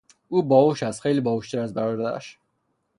او با هوش است، خیلی با هوشتر از برادرش.